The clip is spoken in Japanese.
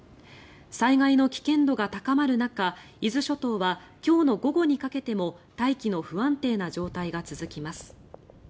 災害の危険度が高まる中伊豆諸島は今日の午後にかけても大気の不安定な状態が続きます。